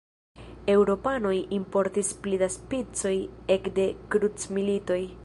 Eŭropanoj importis pli da spicoj ekde krucmilitoj.